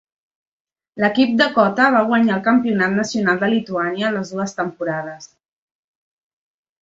L'equip de Cota va guanyar el Campionat Nacional de Lituània les dues temporades.